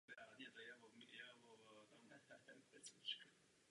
K tomu se nejčastěji používají metody statistického odhadu.